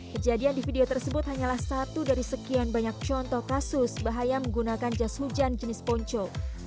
kejadian di video tersebut hanyalah satu dari sekian banyak contoh kasus bahaya menggunakan jas hujan jenis ponco